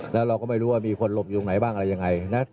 แล้วเราก็ไม่รู้ว่ามีคนหลบอยู่ตรงไหนบ้างอะไรยังไงนะ